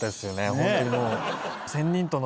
ホントにもう。